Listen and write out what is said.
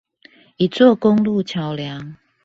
一座公路橋梁